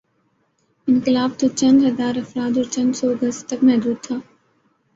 انقلاب توچند ہزارافراد اور چندسو گز تک محدود تھا۔